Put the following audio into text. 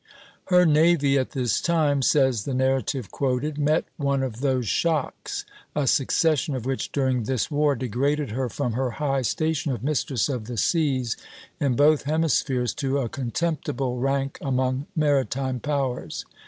"Her navy at this time," says the narrative quoted, "met one of those shocks, a succession of which during this war degraded her from her high station of mistress of the seas in both hemispheres, to a contemptible rank among maritime powers.